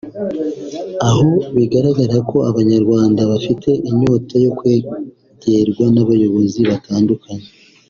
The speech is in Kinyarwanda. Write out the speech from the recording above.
aho bigaragara ko abanyarwanda bafite inyota yo kwegerwa n’abayobozi batandukanye